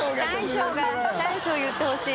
蹐茵大将言ってほしい。